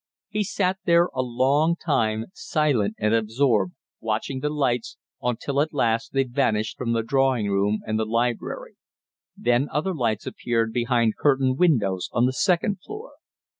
He sat there a long time silent and absorbed, watching the lights, until at last they vanished from the drawing room and the library. Then other lights appeared behind curtained windows on the second floor.